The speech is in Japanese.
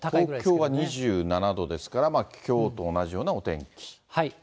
東京が２７度ですから、きょうと同じようなお天気。